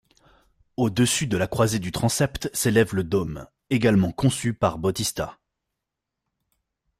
Au-dessus de la croisée du transept s’élève le dôme, également conçu par Bautista.